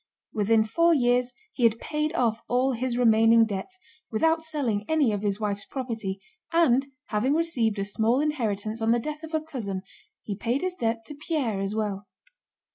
Within four years he had paid off all his remaining debts without selling any of his wife's property, and having received a small inheritance on the death of a cousin he paid his debt to Pierre as well.